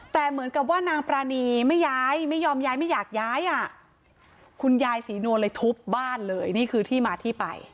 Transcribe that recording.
แต่เหมือนกับว่านางปรานีไม่ย้ายไม่ยอมย้ายไม่อยากย้ายอ่ะคุณยายศรีนวลเลยทุบบ้านเลยนี่คือที่มาที่ไป